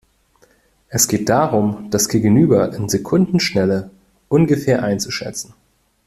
Es geht darum, das Gegenüber in Sekundenschnelle ungefähr einzuschätzen.